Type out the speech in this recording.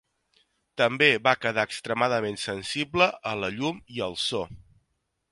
També va quedar extremadament sensible a la llum i al so.